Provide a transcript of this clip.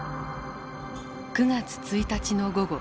９月１日の午後